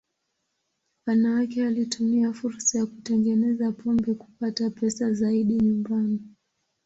Wanawake walitumia fursa ya kutengeneza pombe kupata pesa zaidi nyumbani.